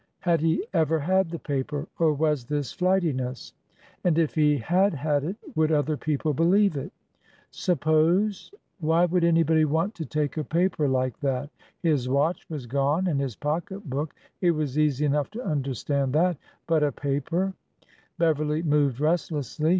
Had he ever had the paper, or was this flightiness ? And if he had had it, would other people believe it ? Suppose— Why would anybody want to take a paper like that? His watch was gone, and his pocket book. It was easy enough to understand that ; but a paper — Beverly moved restlessly.